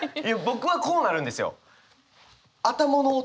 僕はこうなるんですよ。